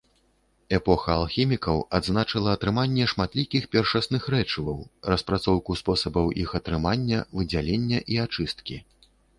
Эпоха алхімікаў адзначыла атрыманне шматлікіх першасных рэчываў, распрацоўку спосабаў іх атрымання, выдзялення і ачысткі.